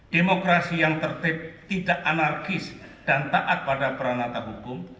demokrasi yang tertib tidak anarkis dan taat pada peranata hukum